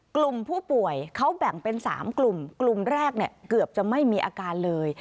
กลุ่มผู้ป่วยเขาแบ่งเป็น๓กลุ่มกลุ่มแรกเนี่ยเกือบจะไม่มีอาการเลย